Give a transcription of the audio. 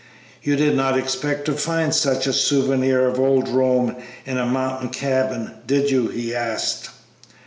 "You did not expect to find such a souvenir of old Rome in a mountain cabin, did you?" he asked.